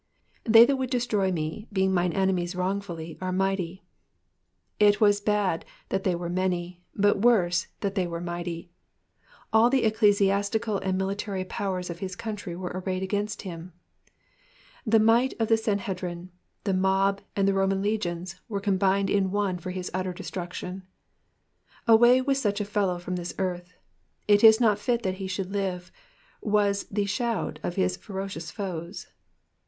^^I^ey that ttould destroy me, being mine rnernkt wrongfully^ are mighty. ^^ It was ImmI that they were many, but worse that they were mighty. All the ecclesiastical and military powers of his country were arrayed against him. The might of the Sanhedrim, the mob, and the Roman lemons were combined in one for his utter destruction :Away with such a fellow from this earth ; it is not fit that he should live,'* was the shout of his ferocious foes.